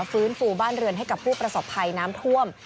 ฟื้นฟูบ้านเรือนให้กับผู้ประสบภัยน้ำท่วม